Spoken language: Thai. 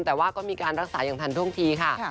แต่ว่าก็มีการรักษาอย่างทันท่วงทีค่ะ